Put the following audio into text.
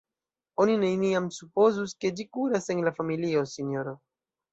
Oni neniam supozus, ke ĝi kuras en la familio, sinjoro.